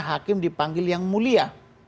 tapi di derita tentang prinsip